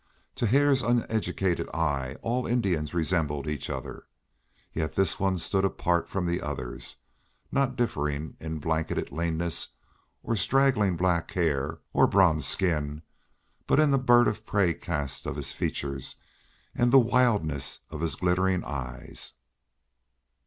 To Hare's uneducated eye all Indians resembled each other. Yet this one stood apart from the others, not differing in blanketed leanness, or straggling black hair, or bronze skin, but in the bird of prey cast of his features and the wildness of his glittering eyes.